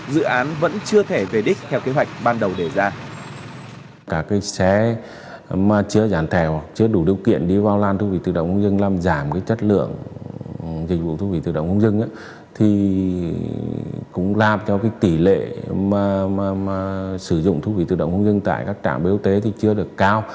dự án vẫn chưa thể về đích theo kế hoạch ban đầu đề ra